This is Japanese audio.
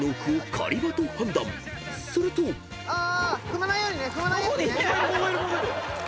踏まないようにね踏まないようにね。